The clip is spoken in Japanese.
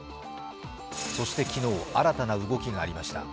そして昨日、新たな動きがありました。